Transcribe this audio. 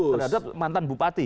terhadap mantan bupati